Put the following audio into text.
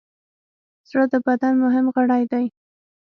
زړه د بدن مهم غړی دی.